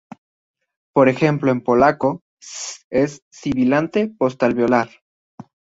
Por ejemplo, en polaco ""sz"" es sibilante postalveolar.